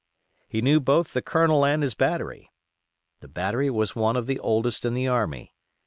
He knew both the Colonel and his battery. The battery was one of the oldest in the army.